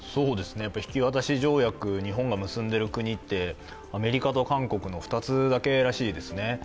引き渡し条約、日本が結んでいる国ってアメリカと韓国の２つだけらしいですね。